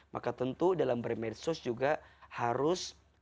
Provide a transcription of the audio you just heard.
maka tentu dalam bermedsos juga harus